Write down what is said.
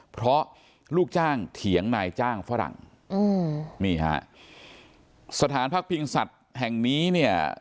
เพราะลูกจ้างเถียงนายจ้างฝรั่งอืมนี่ฮะสถานพักพิงสัตว์แห่งนี้เนี่ย